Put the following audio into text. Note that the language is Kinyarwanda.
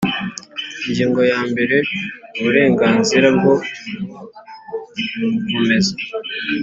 Ingingo ya mbere Uburenganzira bwo gukomeza